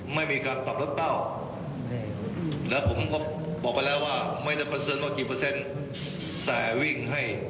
เดี๋ยวครับเดี๋ยวสักครู่นึง